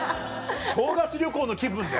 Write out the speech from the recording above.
正月旅行の気分で？